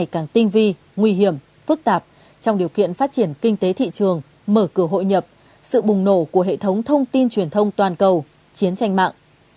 càng tinh vi nguy hiểm phức tạp trong điều kiện phát triển kinh tế thị trường mở cửa hội nhập sự bùng nổ của hệ thống thông tin truyền thông toàn cầu chiến tranh mạng